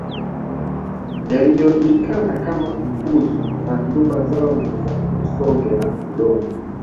Yaliyojulikana kama mpuzu na nyumba zao ni za Msonge na udongo